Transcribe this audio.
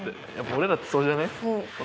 俺らってそうじゃね？